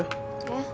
えっ？